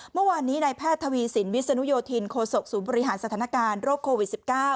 เมื่อวานนี้นายแพทย์ทวีสินวิศนุโยธินโคศกศูนย์บริหารสถานการณ์โรคโควิด๑๙